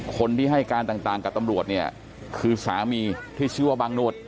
คนที่ให้การต่างกับตำรวจเนี่ยคือสามีที่ชื่อว่าบางโนด